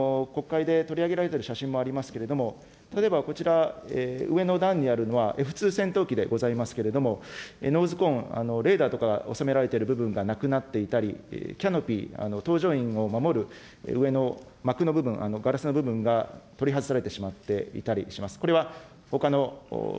こちら、すでに国会で取り上げられてる写真もありますけれども、例えばこちら、上の段にあるのは、Ｆ２戦闘機でございますけれども、ノーズコーン、レーダーとか収められている部分がなくなっていたり、キャノピー、搭乗員を守る上のまくの部分、ガラスの部分が取り外されてしまっていたりします。